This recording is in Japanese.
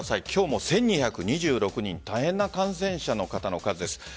今日も１２２６人大変な感染者の方の数です。